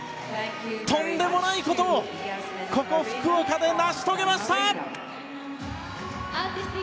とんでもないことをここ福岡で成し遂げました！